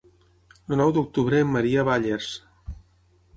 El nou d'octubre en Maria va a Llers.